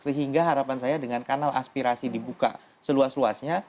sehingga harapan saya dengan kanal aspirasi dibuka seluas luasnya